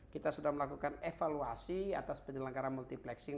kita sudah melakukan evaluasi atas penyelenggara multiplexing